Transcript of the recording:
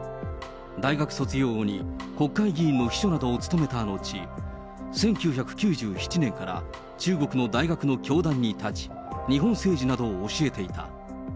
大学卒業後に国会議員の秘書などを務めた後、１９９７年から中国の大学の教壇に立ち、日本政治などを教えていた。